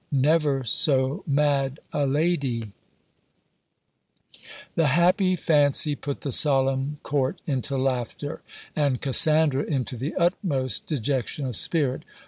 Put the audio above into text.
NEVER SO MAD A LADIE! The happy fancy put the solemn court into laughter, and Cassandra into the utmost dejection of spirit.